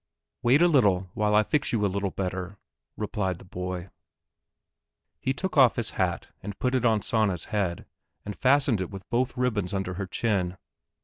"Wait a little and I will fix you a little better," replied the boy. He took off his hat, put it on Sanna's head and fastened it with both ribbons under her chin.